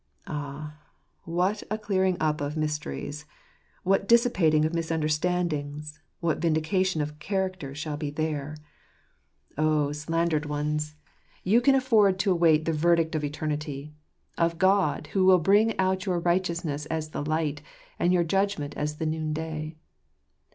Ah ! what a clearing up of mysteries, what dissipating of misunderstandings, what vindication of character shall be there ! Oh, slandered ones, you can 62 ifeuttirjjrjBtooii atttr Umprismtrir. afford to await the verdict of eternity ; of God, who will bring out your righteousness as the light, and your judgment as the noonday.